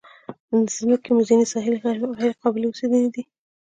د مځکې ځینې ساحې غیر قابلې اوسېدنې دي.